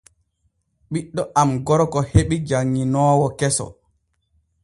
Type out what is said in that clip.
Ɓiɗɗo am gorko heɓi janŋinoowo keso.